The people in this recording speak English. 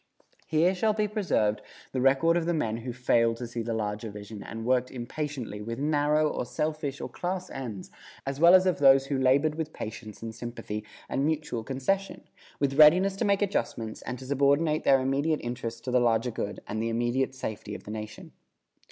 Here shall be preserved the record of the men who failed to see the larger vision and worked impatiently with narrow or selfish or class ends, as well as of those who labored with patience and sympathy and mutual concession, with readiness to make adjustments and to subordinate their immediate interests to the larger good and the immediate safety of the nation.